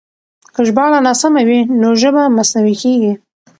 که ژباړه ناسمه وي نو ژبه مصنوعي کېږي.